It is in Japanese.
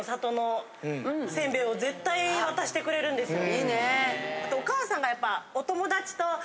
いいね。